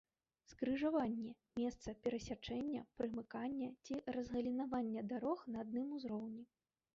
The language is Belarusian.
скрыжаванне — месца перасячэння, прымыкання ці разгалінавання дарог на адным узроўні